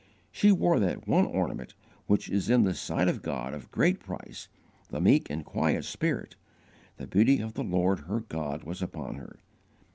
She wore that one ornament which is in the sight of God of great price the meek and quiet spirit; the beauty of the Lord her God was upon her.